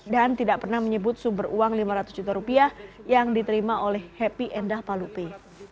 dan tidak pernah menyebut sumber uang lima ratus juta rupiah yang diterima oleh happy endah palupe